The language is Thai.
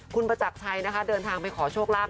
คุณประจักรชัยนะคะเดินทางไปขอโชคลาภ